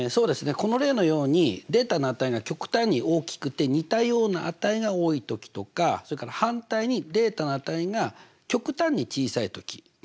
この例のようにデータの値が極端に大きくて似たような値が多い時とかそれから反対にデータの値が極端に小さい時ね。